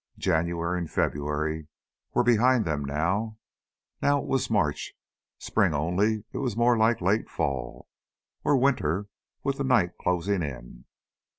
January and February were behind them now. Now it was March ... spring only it was more like late fall. Or winter, with the night closing in.